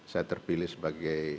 saya terpilih sebagai